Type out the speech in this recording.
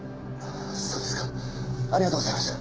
そうですかありがとうございました。